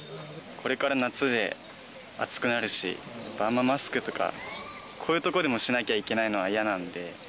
これから夏で暑くなるし、あんまマスクとか、こういう所でもしなきゃいけないのは嫌なんで。